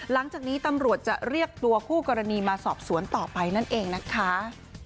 หลังจากนี้ตำรวจจะเรียกตัวคู่กรณีมาสอบสวนต่อไปนั่นเองนะคะ